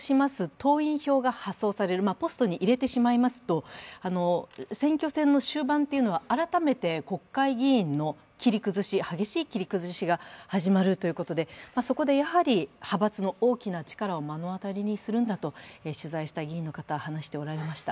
党員票が発送される、ポストに入れてしまいますと、選挙戦の終盤というのは、改めて国会議員の切り崩し、激しい切り崩しが始まるということでそこでやはり派閥の大きな力を間に当たりにするんだと、取材した議員の方は話しておられました。